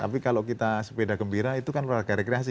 tapi kalau kita sepeda gembira itu kan warga rekreasi